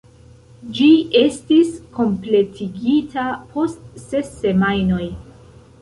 Ĝi estis kompletigita post ses semajnoj.